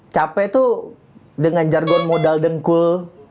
capek tuh dengan jargon modal dengkul